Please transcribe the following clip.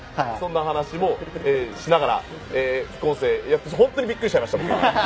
そんな話もしながら副音声本当にびっくりしちゃいました。